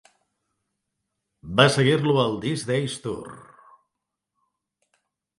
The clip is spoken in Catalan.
Va seguir-lo el These Days Tour.